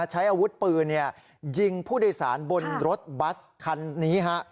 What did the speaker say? ใช้อาวุธปืนยิงผู้โดยสารบนรถบัสคันนี้ฮะ